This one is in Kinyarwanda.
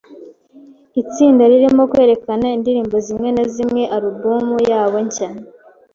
Itsinda ririmo kwerekana indirimbo zimwe na zimwe za alubumu yabo nshya.